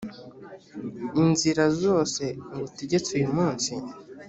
inzira zose ngutegetse uyu munsi,